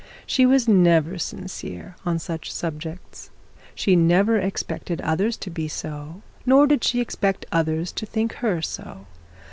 She was never sincere on such subjects. She never expected others to be so, nor did she expect others to think her so.